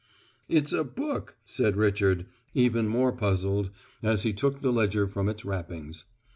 "It's a book," said Richard, even more puzzled, as he took the ledger from its wrappings.